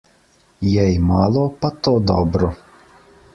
Jej malo, pa to dobro.